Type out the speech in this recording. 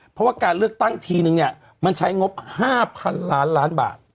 เพราะว่าการเลือกตั้งทีนึงเนี่ยมันใช้งบ๕๐๐๐ล้านล้านบาท